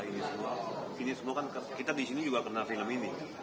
ini semua ini semua kan kita di sini juga kena film ini